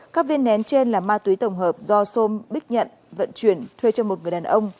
các viên nén trên là ma túy tổng hợp do sôm bích nhận vận chuyển thuê cho một người đàn ông